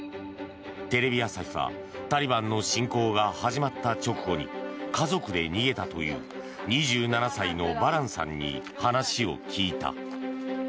テレビ朝日はタリバンの進攻が始まった直後に家族で逃げたという２７歳のバランさんに話を聞いた。